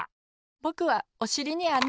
ぼくはおしりにあな！